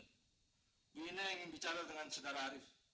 bu ine ingin bicara dengan sedara arief